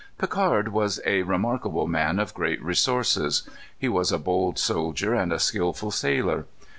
Picard was a remarkable man, of great resources. He was a bold soldier and a skilful sailor.